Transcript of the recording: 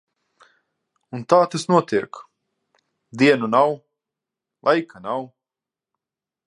Un tā tas notiek. Dienu nav, laika nav.